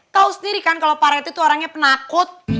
kau sendiri kan kalau pak rete itu orangnya penakut